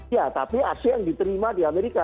ya tapi ac yang diterima di amerika